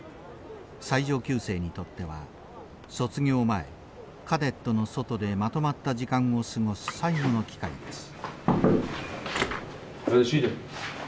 最上級生にとっては卒業前カデットの外でまとまった時間を過ごす最後の機会です。